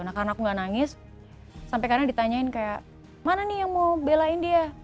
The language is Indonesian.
anak anakku gak nangis sampai kadang ditanyain kayak mana nih yang mau belain dia